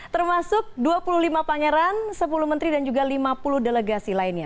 termasuk dua puluh lima pangeran sepuluh menteri dan juga lima puluh delegasi lainnya